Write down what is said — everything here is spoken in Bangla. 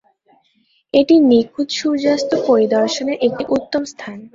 এটি নিখুঁত সূর্যাস্ত পরিদর্শনের একটি উত্তম স্থান।